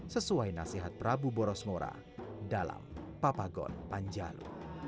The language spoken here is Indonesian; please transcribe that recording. sesuai nasihat prabu boros ngora dalam papagon panjalu